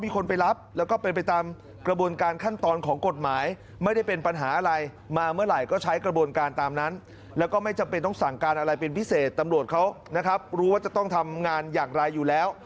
ก็ต้องทำงานอย่างไรอยู่แล้ว